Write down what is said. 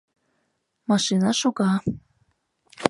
Машина шога.